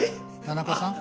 田中さん。